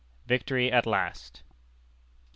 VICTORY AT LAST.